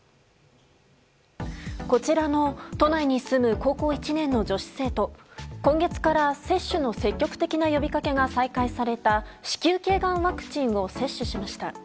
こちらの都内に住む高校１年の女子生徒今月から接種の積極的な呼びかけが再開された子宮頸がんワクチンを接種しました。